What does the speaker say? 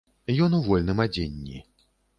Ён у вольным адзенні.